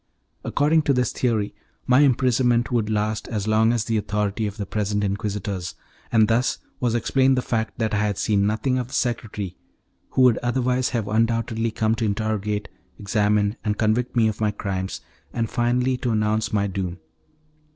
According to this theory, my imprisonment would last as long as the authority of the present Inquisitors, and thus was explained the fact that I had seen nothing of the secretary, who would otherwise have undoubtedly come to interrogate, examine, and convict me of my crimes, and finally to announce my doom.